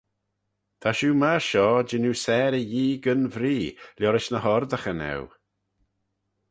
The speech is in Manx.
Ta shiu myr shoh jannoo sarey Yee gyn vree liorish ny h-oardaghyn eu.